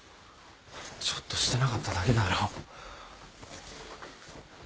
ちょっとしてなかっただけだろ。